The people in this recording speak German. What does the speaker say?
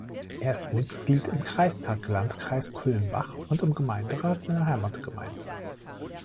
Er ist Mitglied im Kreistag Landkreis Kulmbach und im Gemeinderat seiner Heimatgemeinde.